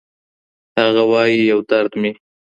هغه وايي يو درد مي